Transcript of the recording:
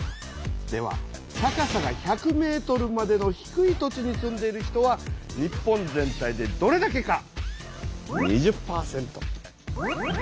では高さが１００ｍまでの低い土地に住んでいる人は日本全体でどれだけか？